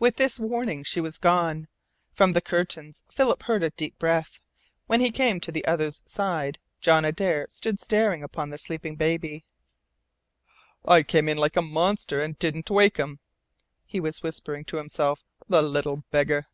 With this warning she was gone. From the curtains Philip heard a deep breath. When he came to the other's side John Adare stood staring down upon the sleeping baby. "I came in like a monster and didn't wake 'im," he was whispering to himself. "The little beggar!"